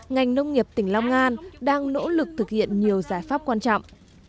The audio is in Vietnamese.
ngành nông nghiệp tỉnh long an đang nỗ lực thực hiện nhiều giải pháp quan trọng